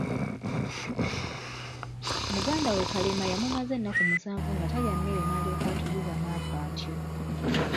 Muganda we Kalema yamumaza ennaku musanvu nga talya mmere n'alyoka atugibwa n'afa atyo.